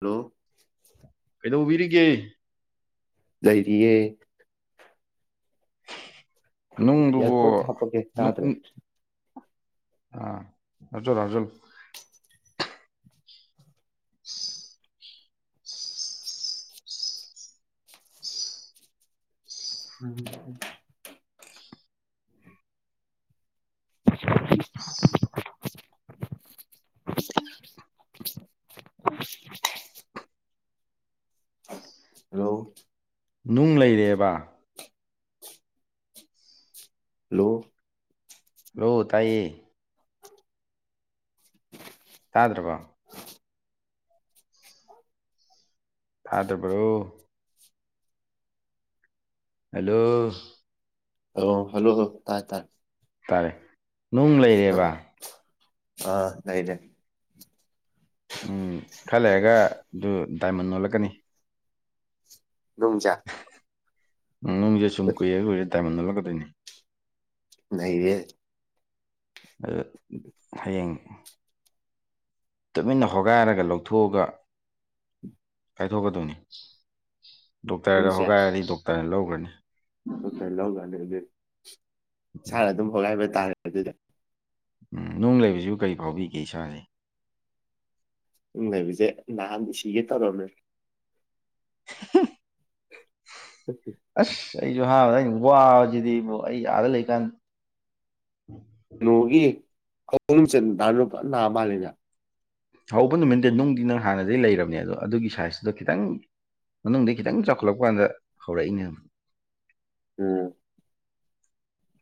Hello ꯀꯩꯗꯧꯕꯤꯔꯤꯒꯦ ꯂꯩꯔꯤꯌꯦ ꯅꯨꯡꯗꯨꯨꯕꯣ ꯏꯌꯥꯔꯐꯣꯟꯁ ꯍꯥꯞꯄꯛꯀꯦ ꯅꯨꯡ ꯇꯥꯗ꯭ꯔꯦ ꯎ [unintelligible] ꯑꯥ ꯍꯥꯞꯆꯟꯂꯣ ꯍꯥꯞꯆꯟꯂꯣ [unintelligible] ꯎꯝ [unintelligible] [unintelligible] [unintelligible] ꯍꯜꯂꯣ ꯅꯨꯡ ꯂꯩꯔꯦꯕ ꯍꯜꯂꯣ ꯍꯜꯂꯣ ꯇꯥꯏꯌꯦ ꯇꯥꯗ꯭ꯔꯕꯣ ꯊꯥꯗꯕ꯭ꯔꯣ ꯍꯂꯣ ꯑꯣ ꯍꯜꯂꯣ [unintelligible] ꯇꯥꯏ ꯇꯥꯏ ꯇꯥꯔꯦ ꯅꯨꯡ ꯂꯩꯔꯦꯕ ꯑꯥ ꯂꯩꯩꯔꯦ ꯎꯝ ꯈꯔ ꯂꯩꯔꯒ ꯑꯗꯨ ꯗꯥꯏꯃꯟ ꯅꯣꯜꯂꯛꯀꯅꯤ ꯨꯅꯨꯡꯖꯦ [unintelligible] ꯅꯨꯡꯁꯦ ꯁꯨꯝ ꯀꯨꯏꯔ ꯀꯨꯏꯔ ꯇꯥꯏꯃꯟ ꯑꯣꯟꯂꯛꯀꯗꯣꯏꯅꯦ [unintelligible] [unintelligible] ꯍꯌꯦꯡ ꯇꯨꯃꯤꯟꯅ ꯍꯣꯒꯥꯏꯔꯒ ꯂꯧꯊꯣꯛꯑꯒ ꯀꯥꯏꯊꯣꯛꯀꯗꯧꯅꯤ ꯗꯣꯛꯇꯔꯗ ꯅꯨꯡꯁꯦ ꯍꯣꯒꯥꯏꯔꯗꯤ ꯗꯣꯛꯇꯔꯅ ꯂꯧꯈ꯭ꯔꯅꯤ ꯗꯣꯛꯇꯔ ꯂꯧꯒ꯭ꯔꯅꯤ ꯑꯗꯨ ꯏꯁꯥꯅ ꯑꯗꯨꯝ ꯍꯣꯒꯥꯏꯕ ꯇꯥꯔꯦ ꯑꯗꯨꯗ ꯎꯝ ꯅꯨꯡ ꯂꯩꯕꯁꯤꯕꯨ ꯀꯔꯤ ꯐꯥꯎꯕꯤꯒꯦ ꯏꯁꯥꯁꯦ ꯅꯨꯡ ꯂꯩꯕꯁꯤꯕꯨꯀꯔꯤ ꯅꯍꯥꯟꯗꯤ ꯁꯤꯒꯦ ꯇꯧꯔꯝꯃꯦ [inaudible] [unintelligible] ꯑꯁ ꯑꯩꯁꯨ ꯑꯍꯥꯟꯕꯗ ꯑꯩꯅ ꯋꯥꯕꯁꯤꯗꯤꯕꯣ ꯑꯩ ꯑꯥꯗ ꯂꯩꯀꯥꯟꯗ ꯀꯩꯅꯣꯒꯤ [unintelligible] ꯅꯨꯡꯆꯠ [unintelligible] ꯃꯥꯜꯜꯂꯤꯅꯦ ꯍꯧꯕ ꯅꯨꯃꯤꯠꯇꯗꯤ ꯅꯨꯡꯗꯤ ꯅꯪ ꯍꯥꯟꯅꯗꯒꯤꯩ ꯂꯩꯔꯕꯅꯦ ꯑꯗꯣ ꯑꯗꯨꯒꯤ ꯁꯥꯏꯖꯇꯨꯗ ꯈꯤꯇꯪ ꯃꯅꯨꯡꯗ ꯈꯤꯇꯪ ꯆꯥꯎꯈꯠꯂꯛꯄ ꯀꯥꯟꯗ ꯍꯧꯔꯛꯏꯅꯦꯕ ꯎꯝ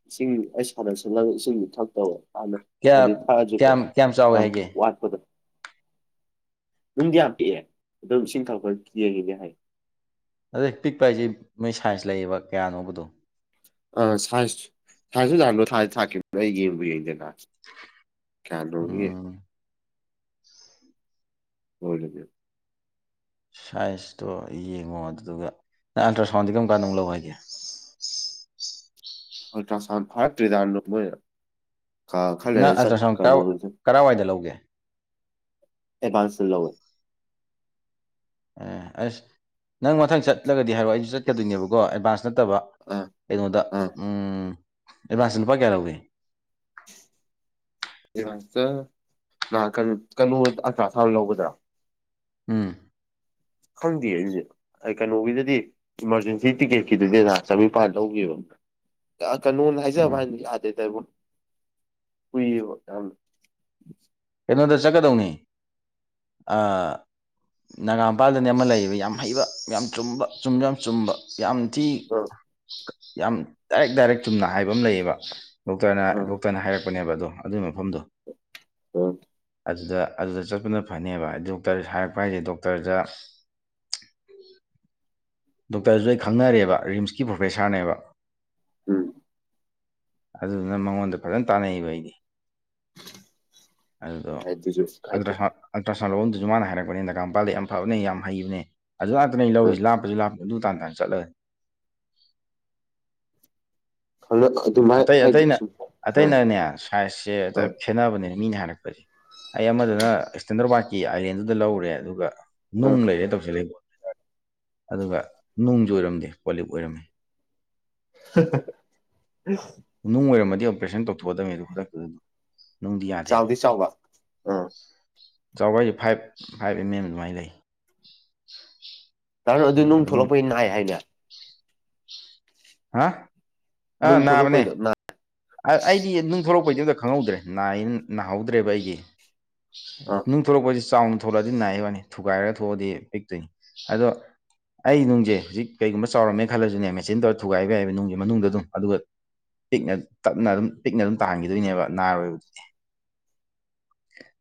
ꯏꯁꯤꯡ ꯑꯩ ꯁꯅꯁꯂ ꯏꯁꯤꯡꯗꯨ ꯊꯛꯇꯧꯕ꯫ ꯑꯗ ꯀꯌꯥ ꯍꯥꯏꯗꯤ ꯊꯥꯁꯤꯀꯣ ꯀꯌꯥꯝ ꯀꯌꯥꯝ ꯆꯥꯎꯋꯦ ꯌꯥꯝ ꯍꯥꯏꯒꯦ ꯋꯥꯠꯄꯗꯨ꯫ ꯅꯨꯡꯗꯤ ꯌꯥꯝ ꯄꯤꯛꯑꯦ ꯑꯗꯨ ꯏꯁꯤꯡ ꯊꯛꯋ ꯀꯦꯒꯦ ꯍꯥꯏꯌꯦ ꯑꯗꯩ ꯄꯤꯛꯄ ꯍꯥꯏꯁꯦ ꯃꯣꯏ ꯁꯥꯏꯟꯁ ꯂꯩꯌꯦꯕ ꯀꯌꯥꯅꯣꯕꯗꯣ꯫ ꯑ ꯁꯥꯏꯟꯁ ꯁꯥꯏꯟꯁ [unintelligible] ꯊꯥꯛꯈꯤꯕꯅꯦ ꯑꯩ ꯌꯦꯡꯕꯨ ꯌꯦꯡꯗꯦꯅ ꯀꯌꯥ ꯅꯣꯒꯤ ꯎꯝ [unintelligible] ꯁꯥꯏꯖꯇꯣ ꯌꯦꯡꯉꯣ ꯑꯗꯨꯗꯨꯒ ꯅꯪ ꯑꯜꯇ꯭ꯔ ꯁꯥꯎꯟꯗꯤ ꯀꯔꯝ ꯀꯥꯟꯗꯧ ꯂꯧ ꯍꯥꯏꯒꯦ ꯑꯜꯇ꯭ꯔꯥꯁꯥꯎꯟ ꯐꯥꯔꯠꯇꯔꯤꯗꯥꯗ ꯃꯣꯏ ꯈꯜꯂꯔ ꯆꯠ ꯀꯩꯅꯣ ꯀꯋꯥꯏꯗ ꯂꯧꯒꯦ ꯑꯦꯁꯕꯥꯟꯇ ꯂꯧꯏ ꯑꯦ ꯑꯁ ꯅꯪ ꯃꯊꯪ ꯆꯠꯂꯒꯗꯤ ꯍꯥꯏꯔꯛꯑꯣ ꯑꯩꯁꯨ ꯆꯠꯀꯗꯣꯏꯅꯦꯕꯀꯣ ꯑꯦꯗꯚꯥꯟꯁ ꯅꯠꯇꯕ ꯑꯥ ꯀꯩꯅꯣꯗ ꯑꯥ ꯑꯦꯗꯚꯥꯟꯁ ꯂꯨꯄꯥ ꯀꯌꯥ ꯂꯧꯒꯦ [unintelligible] ꯀꯩꯅꯣ ꯑꯜꯇ꯭ꯔ ꯁꯥꯎꯟ ꯂꯧꯒꯗ꯭ꯔꯥ ꯎꯝ ꯈꯪꯗꯦ ꯑꯗꯨꯗꯤ ꯑꯩ ꯀꯩꯅꯣꯒꯤꯗꯗꯤ ꯏꯃꯥꯔꯖꯦꯟꯁꯤ ꯇꯤꯛꯀꯦꯠꯀꯤꯗꯨꯗꯤ ꯆꯥꯝꯔꯤꯄꯥꯥꯟ ꯂꯧꯈꯤꯕꯦꯕ‌ ꯀꯩꯅꯣꯗ ꯎꯝ ꯍꯥꯏꯖꯕ ꯍꯥꯏꯅ ꯌꯥꯗꯦ ꯇꯕꯨ ꯀꯨꯏꯌꯦꯕ ꯌꯥꯝ ꯀꯩꯅꯣꯗ ꯆꯠꯀꯗꯧꯅꯤ ꯑ ꯅꯥꯒꯥ ꯃꯄꯥꯜꯗꯅꯤ ꯑꯃ ꯂꯩꯌꯦꯕ ꯌꯥꯝ ꯍꯩꯕ ꯌꯥꯝ ꯆꯨꯝꯕ ꯆꯨꯝꯁꯨ ꯌꯥꯝ ꯆꯨꯝꯕ꯫ ꯌꯥꯝ ꯊꯤ ꯑꯥ ꯌꯥꯝ ꯗꯥꯏꯔꯦꯛ ꯗꯥꯏꯔꯦꯛ ꯆꯨꯝꯅ ꯍꯥꯏꯕ ꯑꯃ ꯂꯩꯌꯦꯕ꯫ ꯗꯣꯛꯇꯔꯅ ꯑꯥ ꯗꯣꯛꯇꯔꯅ ꯍꯥꯏꯔꯛꯄꯅꯦꯕ ꯑꯗꯣ ꯑꯗꯨꯒꯤ ꯃꯐꯝꯗꯣ [unintelligible] ꯑꯗꯨꯗ ꯑꯗꯨꯗ ꯆꯠꯄꯅ ꯐꯅꯦꯕ ꯗꯣꯛꯇꯔ ꯍꯥꯏꯔꯛꯄ ꯍꯥꯏꯁꯦ ꯗꯣꯛꯇꯔꯗ ꯗꯣꯛꯇꯔꯁꯨ ꯑꯩ ꯈꯪꯅꯔꯦꯕ ꯔꯤꯝꯁꯀꯤ ꯄ꯭ꯔꯣꯐꯦꯁꯥꯔꯅꯦꯕ꯫ ꯎꯝ ꯑꯗꯨꯗꯨꯅ ꯃꯉꯣꯟꯗ ꯐꯖꯅ ꯇꯥꯟꯅꯩꯕ ꯑꯩꯗꯤ꯫ ꯑꯗꯨꯗꯨ ꯍꯥꯏꯗꯨꯁꯨ ꯑꯗꯣ ꯍꯥꯏꯗꯤ [unintelligible] ꯑꯜꯇ꯭ꯔ ꯁꯥꯎꯟ ꯂꯧꯐꯝꯗꯨꯁꯨ ꯃꯥꯅ ꯍꯥꯏꯔꯛꯄꯅꯦ ꯅꯒꯥ ꯃꯄꯥꯜꯗ ꯌꯥꯝ ꯐꯕꯅꯦ ꯌꯥꯝ ꯍꯕꯅꯦ ꯑꯗꯨ ꯉꯥꯛꯇꯅꯦ ꯑꯥ ꯂꯧꯔꯤꯁꯤꯥ ꯂꯞꯄꯁꯨ ꯂꯞꯅ ꯗꯨ ꯇꯥꯟꯅ ꯆꯠꯂꯦꯒꯅꯤ ꯑꯗꯨꯃꯥꯏ ꯑꯇꯩ ꯍꯥꯏꯗꯤ ꯑꯇꯩꯅ ꯁꯨꯝ ꯑꯥ ꯑꯥ ꯑꯇꯩꯅꯅꯦ ꯁꯥꯏꯖꯁꯦ [unintelligible] ꯈꯦꯠꯅꯕꯅꯦꯅ ꯃꯤꯅ ꯍꯥꯏꯔꯛꯄꯁꯦ ꯑꯩ ꯑꯃꯗꯅ ꯏꯁꯇꯦꯟꯗꯔꯕꯥꯗꯀꯤ ꯑꯥꯏꯂꯦꯟꯗꯨꯗ ꯂꯧꯔꯦ ꯑꯗꯨꯒ ꯑꯥ ꯅꯨꯡ ꯂꯩꯔꯦ ꯇꯧꯁꯤꯜꯂꯦꯕꯣ ꯑꯗꯨꯒ ꯅꯨꯡꯁꯨ ꯑꯣꯏꯔꯝꯗꯦ ꯄꯣꯂꯤꯞ ꯑꯣꯏꯔꯝꯃꯦ꯫ [unintelligible] ꯅꯨꯡ ꯑꯣꯏꯔꯝꯃꯗꯤ ꯑꯣꯄꯔꯦꯁꯟ ꯇꯧꯊꯣꯛꯑꯗꯣꯕꯅꯤ ꯑꯗꯨ ꯈꯨꯗꯛꯇꯨꯗ ꯑꯗꯨꯝ ꯅꯨꯡꯗꯤ ꯌꯥꯗꯦꯕ ꯆꯥꯎꯗꯤ ꯆꯥꯎꯕ ꯑꯥ ꯆꯥꯎꯑꯦ ꯐꯥꯏꯚ ꯐꯥꯏꯚ ꯑꯦꯝ ꯑꯦꯝ ꯑꯗꯨꯃꯥꯏꯅ ꯂꯩ꯫ ꯇꯔꯣ ꯑꯗꯨ ꯑꯗꯣ ꯅꯨꯡ ꯑꯗꯨꯝ ꯊꯣꯛꯂꯛꯄꯩ ꯅꯥꯏ ꯍꯥꯏꯅꯦ꯫ [unintelligible] ꯍꯥ ꯑꯥ ꯅꯨꯡ ꯅꯥꯕꯅꯦ ꯊꯣꯛꯂꯛꯄꯩꯗꯣ ꯑ ꯑꯩꯗꯤ ꯑꯁ ꯅꯨꯡꯊꯣꯛꯂꯛꯄꯩꯗꯨ ꯑꯝꯇ ꯈꯪꯍꯧꯗ꯭ꯔꯦ ꯅꯥꯏꯅ ꯅꯥꯍꯧꯗ꯭ꯔꯦꯕ ꯑꯩꯗꯤ ꯑꯥ ꯅꯨꯡ ꯊꯣꯛꯂꯛ ꯄꯁꯤ ꯆꯥꯎꯅ ꯊꯣꯛꯂꯛꯑꯗꯤ ꯅꯥꯏ ꯋꯥꯅꯤ ꯊꯨꯒꯥꯏꯔꯒ ꯊꯣꯛꯑꯗꯤ ꯄꯤꯛꯇꯣꯏꯅꯤ ꯑꯗꯣ ꯑꯩ ꯅꯨꯡꯁꯦ ꯍꯧꯖꯤꯛ ꯀꯩꯒꯨꯝꯕ ꯆꯥꯎꯔꯝꯃꯦ ꯈꯜꯂꯁꯨꯅꯦ ꯃꯦꯆꯤꯟ ꯇꯧꯔ ꯊꯨꯒꯥꯏꯕ ꯌꯥꯏꯕ ꯅꯨꯡꯒꯤ ꯃꯅꯨꯡꯗ ꯑꯗꯨꯝ ꯑꯗꯨꯒ ꯄꯤꯛꯅ ꯇꯞꯅ ꯑꯗꯨꯝ ꯄꯤꯛꯅ ꯑꯗꯨꯝ ꯇꯥꯍꯟꯈꯤꯗꯣꯏꯅꯦꯕ ꯅꯥꯔꯣꯏꯕꯗꯨꯗꯤ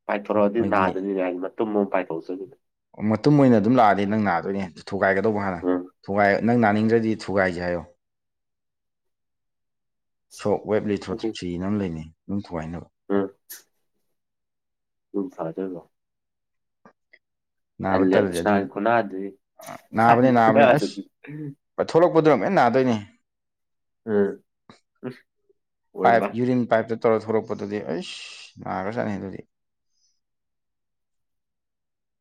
ꯄꯥꯏꯊꯣꯔꯛꯑꯗꯤ ꯅꯥꯗꯣꯏꯅꯤꯅꯦ ꯑ ꯃꯇꯨꯝ ꯑꯃꯨꯛ ꯄꯥꯏꯊꯣꯔꯆꯈꯤꯕꯅꯦ ꯑꯣ ꯃꯇꯨꯡ ꯑꯣꯏꯅ ꯑꯗꯨꯝ ꯂꯥꯛꯑꯗꯤ ꯅꯪ ꯅꯗꯣꯏꯅꯦ ꯊꯨꯒꯥꯏꯒꯗꯧꯕ ꯍꯥꯟꯅ ꯎꯝ ꯊꯨꯒꯥꯏ ꯅꯪ ꯅꯥꯅꯤꯡꯗ꯭ꯔꯗꯤ ꯊꯨꯒꯥꯏꯁꯦ ꯍꯥꯏꯌꯣ ꯁꯣꯞ ꯋꯦꯕ ꯂꯤꯇꯣꯠ ꯁꯤꯅ ꯂꯩꯅꯩ ꯝ ꯊꯨꯒꯥꯏꯅꯕ ꯎꯝ ꯑꯗꯨꯝ ꯊꯥꯖꯕꯣ ꯅꯥꯕ ꯇꯜꯂꯦ ꯇꯥꯜꯂꯗꯤ ꯑꯁ ꯑꯗꯨ ꯅꯍꯥꯟ ꯈꯨꯅꯥꯗꯨꯗꯤ ꯅꯍꯥꯟ ꯅꯥꯕꯅꯦ ꯅꯥꯕꯅꯦ ꯈꯨꯅꯥꯗꯨꯗꯤ ꯑꯁ ꯊꯣꯛꯂꯛꯄꯗꯨꯅ ꯑꯃꯨꯛ ꯍꯟꯅ ꯅꯥꯗꯣꯏꯅꯤ ꯎꯝ ꯑꯣꯏꯃꯥ ꯄꯥꯏꯞ ꯌꯔꯤꯟ ꯄꯥꯏꯞ ꯇꯧꯔ ꯊꯂꯛꯄꯗꯨꯗꯤ ꯑꯩꯁ ꯅꯥꯒ꯭ꯔ ꯆꯥꯠꯅꯩ ꯑꯗꯨꯗꯤ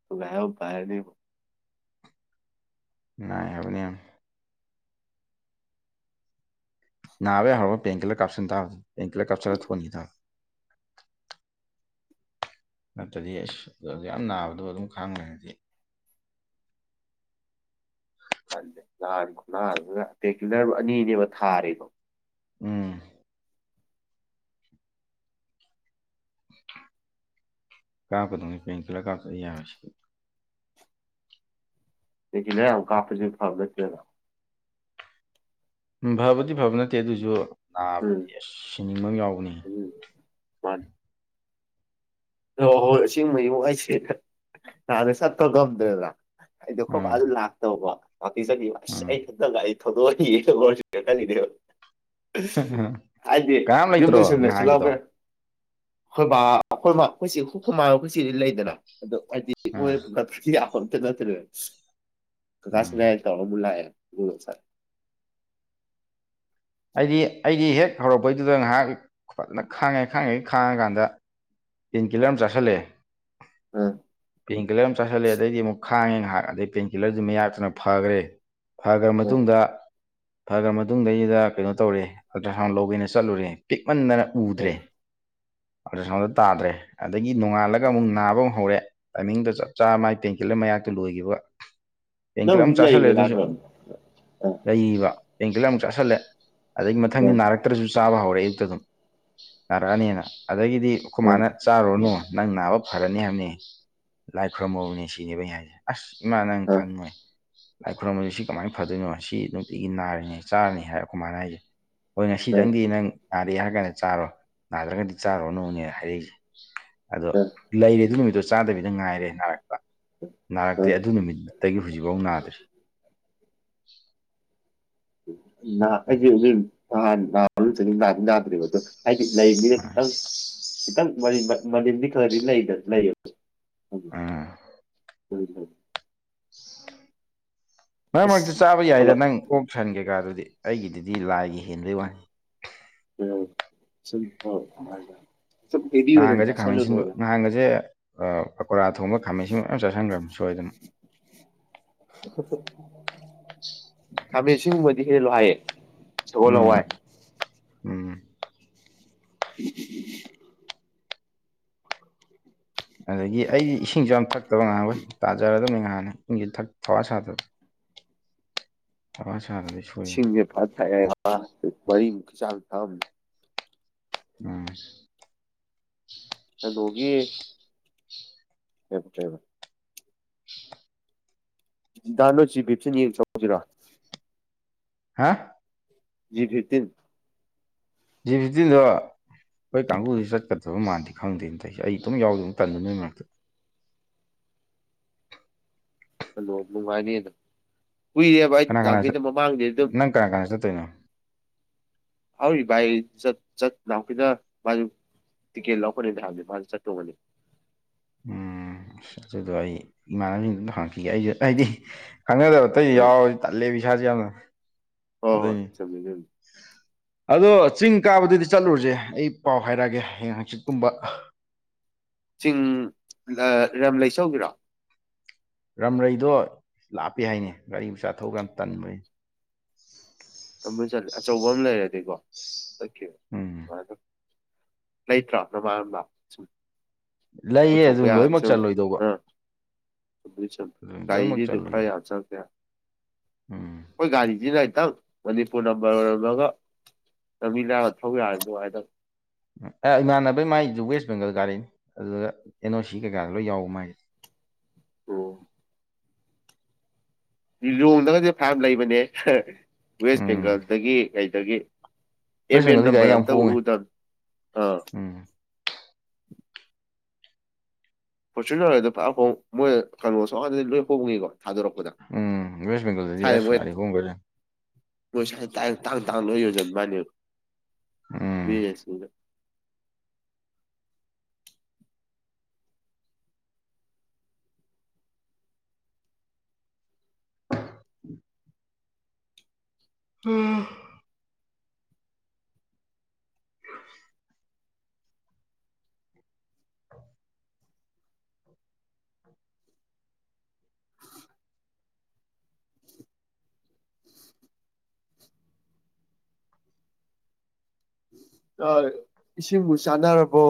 [unintelligible] ꯅꯥꯏ ꯍꯥꯏꯕꯅꯤ ꯌꯥꯝ ꯅꯥꯕ ꯌꯥ ꯍꯔ ꯄꯦꯟ ꯀꯂ ꯀꯥꯞꯁꯤꯟ ꯇꯥꯔꯗꯤ ꯄꯦꯟ ꯀꯜꯂꯔ ꯀꯞꯁꯤꯜꯂ ꯊꯣꯡꯅꯤꯈꯤ ꯇꯔ ꯅꯠꯇꯗꯤ ꯑꯁ ꯌꯥꯝ ꯅꯥꯕꯗꯣ ꯑꯗꯨꯝ ꯈꯪꯉꯦꯗꯤ [unintelligible] ꯀꯤꯂꯔ ꯑꯅꯤꯅꯦꯕ ꯊꯥꯔꯤꯕꯣ ꯎꯝ ꯀꯥ [unintelligible] ꯌꯥꯔꯤꯁꯤ ꯄꯦꯟꯀꯤꯂꯜ ꯌꯥꯝ ꯀꯥꯞꯁꯨ ꯐꯕ ꯅꯠꯇꯦꯗ ꯎꯝ ꯐꯕꯗꯤ ꯐꯕ ꯅꯠꯇꯦ ꯑꯗꯨꯁꯨ ꯎꯝ ꯅꯥꯕꯗꯤ ꯑꯁ ꯁꯤꯅꯤꯡꯕ ꯑꯃ ꯌꯥꯎꯕꯅꯤ ꯎꯝ ꯑꯣ ꯍꯣꯏ ꯑꯁꯤꯡꯕ ꯏꯃ ꯑꯩꯁꯦ ꯅꯥꯟꯅ ꯆꯠꯄ ꯉꯝꯗ꯭ꯔꯦꯗ ꯑꯩꯗ ꯈꯣ ꯕꯥ ꯎꯝ ꯑꯗꯨ ꯂꯥꯛꯇꯕ ꯒꯨꯍꯥꯇꯤ ꯆꯠꯈꯤꯕ ꯑꯁ ꯎꯝ ꯑꯩ ꯈꯛꯇꯒ ꯑꯩ ꯊꯗ ꯑꯩ ꯋꯥꯔꯁ ꯀꯇꯥꯅꯤꯗꯦꯕ ꯍꯥꯏꯗꯤ ꯀꯅꯥꯝ ꯌꯨꯝꯗ ꯂꯩꯇ꯭ꯔꯣ ꯁꯨꯝ ꯂꯩ ꯅꯍꯥꯟꯒꯤꯗꯣ ꯁꯤꯠꯍꯥꯎꯒ꯭ꯔꯦ ꯑꯩꯈꯣꯏ ꯕꯥ ꯑꯩꯈꯣꯏ ꯑꯩꯈꯣꯏ ꯍ ꯈꯨꯃꯥꯏ ꯑꯩꯈꯣꯏꯁꯤꯗꯤ ꯂꯩꯗꯅ ꯑꯗꯣ ꯍꯥꯏꯗꯤ ꯃꯣꯏ ꯎꯝ ꯁꯤ ꯅꯠꯇ꯭ꯔ ꯀ ꯀꯥꯁ ꯎꯝ ꯂꯩ ꯇꯧ ꯃꯂꯑ ꯑꯩꯗꯤ ꯑꯩꯗꯤ ꯍꯦꯛ ꯍꯧꯔꯛꯄꯩꯗꯨꯗ ꯉꯥꯏꯍꯥꯛ ꯐꯖꯅ ꯈꯥꯡꯉꯦ ꯈꯥꯡꯉꯦ ꯈꯥꯡꯉꯀꯥꯟꯗ ꯄꯦꯟ ꯀꯤꯂꯔ ꯑꯃ ꯆꯥꯁꯜꯂꯛꯑꯦ ꯎꯝ ꯄꯦꯟ ꯀꯤꯂꯔ ꯑꯃ ꯆꯥꯁꯜꯂꯑꯦ ꯑꯗꯩꯗꯤ ꯑꯃꯨꯛ ꯈꯥꯡꯉꯦ ꯉꯥꯏꯍꯥꯛ ꯑꯗꯩ ꯄꯦꯟꯀꯤꯜꯂꯔꯗꯨ ꯃꯌꯥꯛꯇꯨꯅ ꯐꯈ꯭ꯔꯦ ꯐꯈ꯭ꯔ ꯎꯝ ꯃꯇꯨꯡꯗ ꯐꯈ꯭ꯔ ꯃꯇꯨꯡꯗꯩꯗ ꯀꯩꯅꯣ ꯇꯧꯔꯦ ꯑꯜꯇ꯭ꯔ ꯁꯥꯎꯟ ꯂꯧꯒꯦꯅ ꯆꯠꯂꯨꯔꯦ ꯄꯤꯛꯃꯟꯗꯅ ꯎꯗ꯭ꯔꯦ ꯎꯝ ꯑꯜꯇ꯭ꯔꯁꯥꯎꯟꯗ ꯇꯥꯗ꯭ꯔꯦ ꯑꯗꯒꯤ ꯅꯣꯡꯉꯥꯜꯂꯒ ꯎꯝ ꯑꯃꯨꯛ ꯅꯥꯕ ꯑꯃꯨ ꯍꯧꯔꯦ ꯇꯥꯏꯃꯤꯡꯗ ꯆꯞ ꯆꯥ ꯃꯥꯥꯏ ꯄꯦꯡꯀꯤꯜ ꯑꯃ ꯃꯌꯥꯛꯇ ꯂꯣꯏꯈꯤꯕ ꯅꯪ ꯄꯦꯡꯀꯤꯜ ꯑꯃꯛ ꯍꯧꯖꯤꯛ ꯆꯥꯥꯁꯜꯂꯦ ꯂꯩꯔꯤꯕ ꯑꯗꯨꯁꯨ ꯖꯥꯠꯔꯣ ꯎꯝ ꯂꯩꯕ ꯄꯦꯡꯀꯜ ꯑꯃꯨꯛ ꯆꯥꯁꯤꯜꯂꯦ ꯑꯗꯒꯤ ꯎꯝ ꯃꯊꯪꯗꯤ ꯎꯝ ꯅꯥꯔꯛ ꯅꯥꯇ꯭ꯔꯁꯨ ꯆꯥꯕ ꯍꯧꯔꯛꯑꯦ ꯑꯨꯛꯇ ꯑꯗꯨꯝ ꯅꯥꯔꯛꯑꯅꯤꯅ ꯑꯗꯒꯤꯗꯤ ꯈꫭ ꯃꯥꯅ ꯆꯥꯔꯨꯅꯨ ꯅꯪ ꯅꯥꯕ ꯐꯔꯅꯤ ꯍꯥꯏꯕꯅꯤ ꯂꯥꯏ ꯈꯨꯣꯏꯔꯝꯃꯕꯅꯦ ꯁꯤꯅꯦꯕ ꯑꯩ ꯍꯥꯏꯁꯦ ꯑꯁ ꯏꯃꯥ ꯅꯪ ꯎꯝ ꯈꯪꯉꯣꯏ ꯂꯥꯏ ꯈꯨꯣꯏꯔꯨꯝꯕꯁꯤ ꯁꯤ ꯀꯃꯥꯏꯅ ꯐꯗꯣꯏꯅꯣ ꯁꯤ ꯅꯨꯡꯇꯤꯒꯤ ꯅꯥꯔꯤꯅꯤ ꯆꯥꯔꯅꯤ ꯍꯥꯏꯔ ꯑꯩꯈꯃꯥꯏꯅ ꯍꯥꯏꯁꯦ ꯍꯣꯏ ꯉꯁꯤꯗꯪꯗꯤ ꯅꯪ ꯅꯥꯔꯦ ꯍꯥꯏꯔ ꯀꯥꯟꯗ ꯆꯥꯔꯣ ꯅꯥꯗ꯭ꯔꯒꯗꯤ ꯆꯥꯔꯨꯔꯅꯨꯅꯦ ꯍꯥꯏꯔꯤꯛꯁꯦ ꯑꯗꯣ ꯎꯝ ꯂꯩꯔꯦ ꯑꯗꯨ ꯅꯨꯃꯤꯠꯇꯣ ꯆꯥꯗꯕꯤꯗ ꯉꯥꯏꯔꯦ ꯅꯔ ꯎꯝ ꯅꯥꯔꯛꯇꯦ ꯎꯝ ꯑꯗꯨ ꯅꯨꯃꯤꯠꯇꯒꯤ ꯍꯧꯖꯤꯛꯐꯥꯎ ꯅꯥꯗ꯭ꯔꯤ [unintelligible] ꯍ ꯑꯩꯁꯦ ꯑꯗꯨꯝ ꯅꯍꯥꯟ ꯅꯍꯝ ꯆꯅꯤꯝ ꯇꯗ꯭ꯔꯤꯕ ꯑꯗꯣ ꯍꯥꯏꯗꯤ ꯂꯩ ꯃꯤꯅ ꯈꯤꯇꯪ ꯈꯤꯇꯪ ꯃꯗꯤ ꯈꯔꯗꯤ ꯂꯩꯗꯅ ꯂꯩꯌꯦꯕ ꯑꯗꯨ ꯎꯝ ꯑꯣꯏꯦ ꯃꯔꯛ ꯃꯔꯛꯇ ꯆꯥꯕ ꯌꯥꯏꯗ ꯅꯪ ꯑꯣꯛ ꯁꯟꯒꯦ ꯀꯥ ꯑꯗꯨꯗꯤ ꯑꯩꯒꯤꯗꯨꯗꯤ ꯂꯥꯏꯒꯤ ꯍꯦꯟꯕꯩ ꯋꯥꯅꯤ ꯁꯨ ꯍꯗꯤ ꯑꯣꯏꯣꯏꯗ ꯆꯁꯂ ꯍꯣꯗ ꯑꯍꯥꯡꯒꯁꯦ ꯄꯀꯣꯔꯥ ꯊꯣꯡꯕ ꯈꯥꯃꯩꯟꯁꯤꯟ ꯃꯌꯥꯝ ꯆꯥꯁꯤꯟꯈ꯭ꯔꯕꯅꯤ ꯁꯣꯏꯗꯅ ꯑꫭ ꯈꯥꯃꯩꯟꯁꯤꯟ ꯁꯤꯒꯨꯝꯕꯗꯤ ꯍꯦꯂꯣ ꯍꯥꯏꯌꯦ ꯁꯒꯣꯜ ꯍꯋꯥꯏ ꯎꯝ ꯎꯝ [unintelligible] [unintelligible] ꯑꯗꯒꯤ ꯑꯩꯗꯤ ꯏꯁꯤꯡꯁꯨ ꯌꯥꯝ ꯊꯛꯇꯕ ꯉꯥꯏꯍꯍꯩ ꯇꯥꯖꯔꯗꯕꯅꯤ ꯉꯍꯥꯟꯅꯤ ꯏꯪꯁꯨ ꯊꯛ ꯊꯋꯥ ꯁꯥꯗꯕ ꯁꯥꯂꯛ ꯁꯔꯥꯅꯤ ꯏꯁꯤꯡꯁꯦ ꯐꯖꯅ ꯊꯛꯑꯦ ꯃꯔꯤꯃꯨꯛꯀꯤ ꯆꯥꯡ ꯊꯝꯑꯝꯅꯤ ꯎꯝ ꯀꯩꯅꯣꯒꯤ ꯍꯕ [inaudible] ꯗꯥ ꯅꯣ ꯖꯤ ꯕꯤꯞꯁꯤꯅ ꯌꯦꯡ ꯆꯧꯁꯤꯔꯣ [inaudible] ꯍꯥ ꯖꯤ ꯐꯤꯞꯇꯤꯟ ꯖꯤ ꯐꯤꯝꯇꯤꯟꯗꯣ ꯑꯩꯈꯣꯢ ꯀꯥꯡꯕꯨꯁꯤ ꯆꯠꯀꯗꯕ ꯃꯥꯟꯗꯦ ꯈꯪꯗꯦꯅ ꯑꯩ ꯢꯇꯣꯝ ꯌꯥꯎꯗꯕ ꯇꯟꯗꯅ ꯅꯣꯏ ꯃꯔꯛꯇ ꯑꯗꯣ ꯅꯨꯡꯉꯤꯢꯅꯤ ꯑꯗꯨꯝ ꯀꯨꯏꯔꯦꯕ [inaudible] ꯑꯩ ꯀꯅꯥ ꯀꯅꯥ ꯂꯇꯩ ꯑꯗꯨ ꯃꯃꯥꯡꯗꯦ ꯑꯗꯨꯝ ꯅꯪ ꯀꯅꯥ ꯀꯅꯥ ꯆꯠꯇꯣꯏꯅꯣ ꯍꯧꯔꯤꯕ ꯑꯩ ꯆꯠ [inaudible] ꯂꯈꯤꯗ ꯃꯥꯁꯨ ꯇꯤꯀꯦꯜ ꯂꯧꯔꯛꯀꯅꯤꯗꯤ ꯍꯥꯢꯕꯅꯤ ꯃꯥ ꯆꯠꯇꯧꯕꯅꯤ ꯎꯝ ꯑꯁ ꯑꯗꯨ ꯑꯩ ꯏꯃꯥꯟꯅꯅꯕꯁꯤꯡꯗ ꯑꯝꯇ ꯍꯪꯉꯛꯈꯤꯒꯦ ꯑꯩꯁꯨ ꯑꯩꯗꯤ ꯈꯪꯅꯗꯕ ꯑꯇꯩ ꯎꯝ ꯌꯥꯎꯔꯗꯤ ꯇꯠꯂꯦ ꯏꯁꯥꯥꯁꯦ ꯌꯥꯝꯅ ꯍꯣꯏ ꯍꯣꯏ ꯑꯗꯨꯏꯅꯤ ꯆꯝꯃꯦ ꯑꯗꯨꯁꯨ ꯑꯗꯣ ꯆꯤꯡ ꯀꯥꯕꯗꯨꯗꯤ ꯆꯠꯂꯨꯔꯁꯦ ꯑꯩ ꯄꯥꯎ ꯍꯥꯏꯔꯛꯑꯒꯦ ꯍꯌꯦꯡ ꯍꯪꯆꯤꯠꯀꯨꯝꯕ ꯆꯤꯡ ꯔꯝ ꯔꯝꯂꯩ ꯆꯠꯂꯨꯁꯤꯔꯣ ꯔꯝꯔꯩꯗꯣ ꯂꯥꯞꯄꯦ ꯍꯥꯏꯅꯦ ꯒꯥꯔꯤ ꯃꯆꯥꯥ ꯊꯧꯕ ꯇꯥꯟꯕ ꯑꯩꯅ ꯑꯆꯧꯕ ꯑꯃ ꯂꯩꯔꯗꯤꯀꯣ ꯆꯠꯈꯤꯕ ꯎꯝ ꯅꯨꯡꯉꯥꯢꯗꯧ ꯂꯩꯇ꯭ꯔꯣ ꯅꯃꯥꯟꯅꯕ ꯂꯩꯌꯦ ꯄꯨꯊꯣꯛꯄ ꯑꯗꯨ ꯂꯣꯏꯅꯃꯛ ꯌꯥꯔꯗꯤ ꯆꯜꯂꯣꯏꯗꯧꯕ ꯁꯤꯗꯩ ꯆꯠꯄ ꯑꯗꯨ ꯂꯣꯏꯅꯃꯛ ꯒꯥꯔꯤꯗꯤ ꯈꯔ ꯆꯜꯂꯣꯏꯗꯧꯕ ꯌꯥꯝ ꯆꯪꯗ ꯌꯥꯔꯣꯢ ꯎꯝ ꯑꯩꯈꯣꯏ ꯒꯥꯔꯤꯁꯤꯅ ꯈꯤꯇꯪ ꯃꯅꯤꯄꯨꯔ ꯅꯝꯕꯔ ꯑꯣꯏꯔꯝꯃꯒ ꯂꯝꯕꯤ ꯅ ꯊꯧ ꯌꯥꯔꯗꯤ ꯅꯨꯡꯉꯥꯢꯗꯧ ꯏꯃꯥꯟꯅꯕꯩ ꯃꯥꯏꯗꯨ ꯋꯦꯁ ꯕꯦꯡꯒꯜ ꯒꯥꯔꯤꯅꯤ ꯑꯗꯨꯒ ꯑꯦꯟ ꯑꯣ ꯁꯤ ꯀꯩꯀꯥꯗꯣ ꯂꯣꯏ ꯌꯥꯎꯕ ꯃꯥꯏꯁꯦ ꯑꯣ ꯂꯤꯂꯣꯡꯗꯒꯗꯤ ꯐꯥꯅ ꯌꯥꯝ ꯂꯩꯕꯅꯦ ꯋꯦꯁ ꯎꯝ ꯕꯦꯡꯒꯜꯗꯒꯤ ꯀꯩꯗꯒꯤ ꯑꯦꯝ ꯋꯦꯁ ꯑꯦꯟ ꯕꯦꯡꯒꯜꯗꯤ ꯒꯥꯔꯤ ꯅꯝꯕꯔ ꯌꯥꯝ ꯑꯝꯇ ꯍꯣꯡꯉꯦ ꯎꯗꯝ ꯎꯝ ꯐꯣꯔꯆꯨꯅꯔ ꯍꯣꯏꯗꯣ ꯐꯥꯅ ꯍꯣꯢ ꯃꯣꯏ ꯀꯩꯅꯣꯁꯨ ꯑꯁꯣꯟꯗꯗꯤ ꯂꯣꯏ ꯍꯣꯡꯉꯤꯀꯣ ꯊꯥꯗꯣꯔꯛꯄꯗ ꯎꯝ ꯋꯦꯁ ꯕꯦꯡꯒꯜꯗꯗꯤ ꯍꯥꯢ ꯑꯁ ꯃꯣꯏꯅ ꯒꯥꯔꯤ ꯍꯣꯡꯒ꯭ꯔꯦ ꯃꯣꯢ ꯁꯨꯋꯥꯢꯗ ꯇꯥꯡ ꯇꯥꯡ ꯌꯣꯡꯖꯤꯟꯕꯩ ꯋꯥꯅꯦ ꯎꯝ ꯎꯝ [inaudible] ꯎꯝ [unintelligible] ꯆꯥꯛ ꯏꯁꯤꯡꯕꯨ ꯆꯥꯅꯔꯕꯣ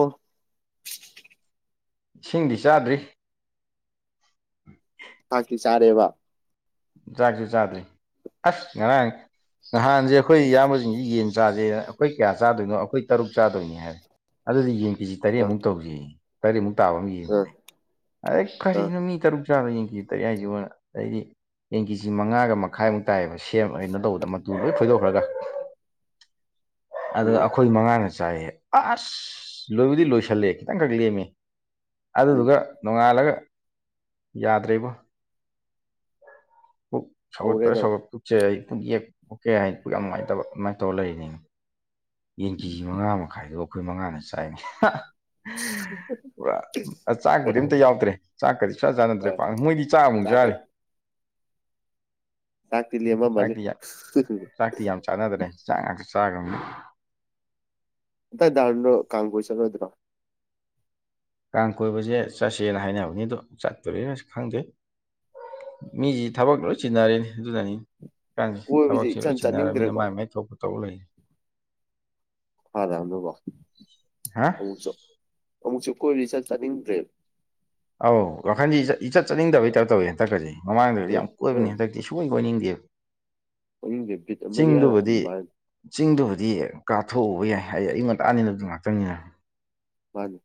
ꯏꯁꯤꯡꯗꯤ ꯆꯥꯗ꯭ꯔꯤ ꯆꯥꯛꯇꯤ ꯆꯔꯦꯕ ꯆꯥꯛꯁꯨ ꯆꯥꯗ꯭ꯔꯤ ꯑꯁ ꯉꯔꯥꯡ ꯅꯍꯥꯟꯁꯦ ꯑꯩꯈꯣꯏ ꯏꯌꯥꯝꯕꯁꯤꯡꯁꯤ ꯌꯦꯟ ꯆꯥꯖꯦꯅ ꯑꯩꯈꯣꯏ ꯀꯌꯥ ꯆꯥꯗꯣꯏꯅꯣ ꯑꯩꯈꯣꯏ ꯇꯔꯨꯛ ꯆꯥꯗꯣꯏꯅꯤ ꯍꯥꯏꯔꯦ ꯑꯗꯨꯗꯤ ꯌꯦꯟ ꯀꯦꯖꯤ ꯑꯥ ꯇꯔꯦꯠꯃꯨꯛ ꯇꯧꯖꯦꯌꯦ ꯇꯔꯦꯠꯃꯨꯛ ꯇꯥꯕ ꯑꯃ ꯑꯥ ꯌꯦꯡꯉꯨꯅꯦ ꯑꯩꯁ ꯑꯥ ꯀꯔꯤꯅꯣ ꯃꯤ ꯇꯔꯨꯛ ꯆꯥꯕ ꯌꯦꯟ ꯀꯦꯖꯤ ꯇꯔꯦꯠ ꯍꯥꯏꯁꯤꯕꯣ ꯑꯗꯩꯗꯤ ꯌꯦꯟ ꯀꯦꯖꯤ ꯃꯉꯥꯒ ꯃꯈꯥꯏꯃꯨꯛ ꯇꯥꯏꯌꯦꯕ ꯁꯦꯝꯃ ꯀꯩꯅꯣ ꯇꯧꯕꯗ ꯃꯇꯨ ꯂꯣꯏ ꯐꯣꯏꯗꯣꯛꯈ꯭ꯔꯒ ꯑꯗ ꯎꯝ ꯑꯩꯈꯣꯏ ꯃꯉꯥꯅ ꯆꯥꯏꯌꯦ ꯑꯁ ꯂꯣꯏꯕꯨꯗꯤ ꯂꯣꯏꯁꯜꯂꯦ ꯈꯤꯇꯪꯈꯛ ꯂꯦꯝꯃꯤ ꯎꯝ ꯑꯗꯨꯗꯨꯒ ꯅꯣꯡꯉꯥꯜꯂꯒ ꯌꯥꯗ꯭ꯔꯦꯕꯣ ꯄꯨꯛ ꯍꯧꯔꯦ ꯁꯧꯒꯠꯄ ꯑꯗꯨꯝ ꯁꯧꯒꯠ ꯄꯨꯁꯦ ꯑꯩ ꯄꯨꯨꯛ ꯌꯦꯛ ꯑꯣꯀꯦ ꯍꯥꯏ ꯄꯨꯛ ꯌꯥꯝ ꯅꯨꯡꯉꯥꯏꯇꯕ ꯑꯗꯨꯃꯥꯏꯅ ꯇꯧꯔ ꯂꯩꯔꯤꯅꯦ ꯌꯦꯟ ꯀꯦꯖꯤ ꯃꯉꯥ ꯃꯈꯥꯏꯗꯣ ꯑꯩꯈꯣꯏ ꯃꯉꯥꯅ ꯆꯥꯏꯅꯦ [inaudible] ꯄꯨꯔꯥ ꯆꯥꯛꯄꯨꯗꯤ ꯑꯝꯇ ꯌꯥꯎꯗ꯭ꯔꯦ ꯆꯥꯛꯀꯗꯤ ꯆꯥ ꯆꯥꯟꯅꯗ꯭ꯔꯦ ꯄꯥꯛ ꯃꯣꯏꯗꯤ ꯆꯥꯛ ꯑꯃꯨꯛ ꯆꯥꯛꯀ ꯆꯥꯔꯤ ꯆꯥꯛꯇꯤ ꯂꯦꯃꯥꯝ ꯃꯥꯅꯤ ꯆꯥꯛꯇꯤ ꯌꯥ ꯆꯥꯛꯇꯤ ꯌꯥꯝ ꯆꯥꯅꯗ꯭ꯔꯦ ꯆꯥꯛ ꯉꯥꯛꯇ ꯆꯥꯈ꯭ꯔꯕꯅꯤ ꯑ ꯗꯗꯥꯣ ꯀ ꯀꯥꯡꯒꯣꯁꯔ ꯑꯗꯨ꯭ꯔꯣ ꯀꯥꯡ ꯀꯣꯏꯕꯁꯦ ꯆꯠꯁꯦꯅ ꯍꯥꯏꯅꯕꯅꯤꯗꯣ ꯆꯠꯇꯣꯣꯔꯦꯅꯁꯨ ꯈꯪꯗꯦ ꯃꯤ ꯊꯕꯛꯒ ꯂꯣꯏꯁꯤ ꯅꯔꯟ ꯑꯗꯨꯅꯤ ꯥꯟ ꯀꯣꯏꯕꯁꯦ ꯊꯕꯛꯁꯦ ꯏꯆꯟ ꯂꯣꯏ ꯁꯤꯟꯅꯔꯕꯃꯤꯅ ꯆꯠꯅꯤꯡꯗ꯭ꯔꯦꯀꯣ ꯃꯥꯏ ꯃꯥꯏ ꯊꯣꯛꯄ ꯇꯧ ꯂꯩ ꯐꯔꯑꯝꯅꯀꯣ ꯍꯥ ꯑꯃꯨꯛꯁꯨ ꯑꯃꯨꯛꯁꯨ ꯀꯣꯏꯔꯤ ꯆꯠ ꯆꯥꯅꯤꯡꯗ꯭ꯔꯦꯕ ꯑꯧ ꯋꯥꯈꯟꯗꯤ ꯏꯆꯠ ꯆꯠꯅꯤꯡꯗꯕꯩꯇꯔ ꯇꯧꯋꯤ ꯍꯟꯗꯛꯀꯁꯤꯦ ꯃꯃꯥꯡꯗꯗꯤ ꯎꯝ ꯌꯥꯝ ꯀꯣꯏꯕꯅꯤ ꯎꯝ ꯍꯟꯗꯛꯀꯤ ꯁꯤ ꯁꯨꯡꯣꯏ ꯀ ꯑꯣꯏꯅꯤꯡꯗꯦꯕ ꯃꯌꯨꯝꯕꯤꯠ ꯑꯃ ꯏꯔ ꯍꯟꯕ ꯍꯥꯏ ꯆꯤꯡꯗꯨꯕꯨꯗꯤ ꯀꯥꯞꯊꯣꯛꯎꯕ ꯌꯥꯏ ꯑꯩ ꯑꯌꯨꯛ ꯉꯟꯇꯥꯅꯤꯅ ꯑꯗꯨ ꯉꯥꯛꯇꯪꯅꯤ ꯃꯥꯅꯤ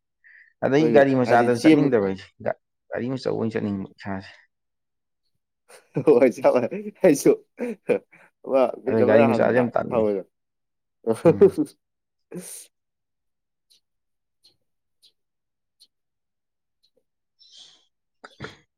ꯑꯗꯩ ꯍꯣꯏ ꯒꯥꯔꯤ ꯍꯥꯏꯗꯤ ꯃꯆꯥꯗ ꯆꯦꯟ ꯆꯠꯅꯤꯡꯗꯕꯩꯁꯦ ꯒꯥꯔꯤꯑꯆꯧꯕ ꯑꯣꯏꯅ ꯆꯠꯅꯤꯡꯕꯥꯁꯦ ꯍꯣꯏ [inaudible] ꯌꯥꯥꯏꯁꯨ ꯑꯗꯩ ꯒꯥꯔꯤ ꯐꯤꯖꯕ ꯃꯆꯥꯁꯦ ꯍꯟꯕ꯭ꯔꯥ ꯌꯥꯝ ꯇꯜꯂꯤ ꯊꯑꯣꯏꯗ ꯎꯝ [inaudible]